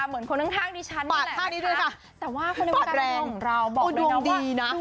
เหมือนคนท่างดิฉันนี่แหละนะคะแต่ว่าคนในวงการพ่อชาวเก็บเราบอกเลยนะว่าโดรกดีโดรกแล้ว